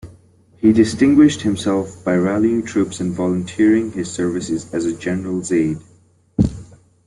He distinguished himself by rallying troops and volunteering his services as a general's aide.